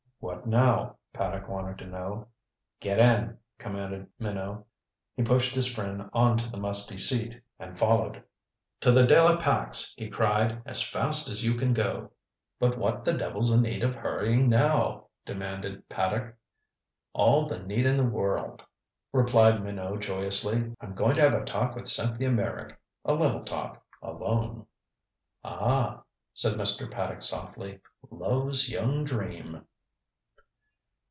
"What now?" Paddock wanted to know. "Get in!" commanded Minot. He pushed his friend on to the musty seat, and followed. "To the De la Pax," he cried, "as fast as you can go." "But what the devil's the need of hurrying now?" demanded Paddock. "All the need in the world," replied Minot joyously. "I'm going to have a talk with Cynthia Meyrick. A little talk alone." "Ah," said Mr. Paddock softly, "love's young dream."